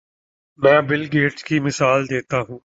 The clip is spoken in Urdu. میں بل گیٹس کی مثال دیتا ہوں۔